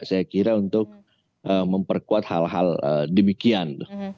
saya kira untuk memperkuat hal hal demikian